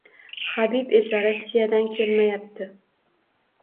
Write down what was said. Habib esa Rossiyadan kelmayapti